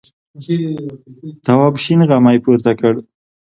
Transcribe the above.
تواب شین غمی پورته کړ.